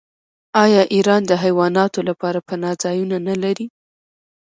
آیا ایران د حیواناتو لپاره پناه ځایونه نلري؟